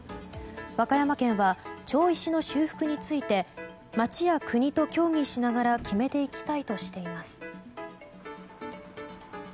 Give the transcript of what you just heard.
和歌山県は町石の修復について町や国と協議しながら決めていきたいとしています。